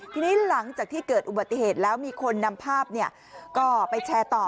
ทีนี้หลังจากที่เกิดอุบัติเหตุแล้วมีคนนำภาพก็ไปแชร์ต่อ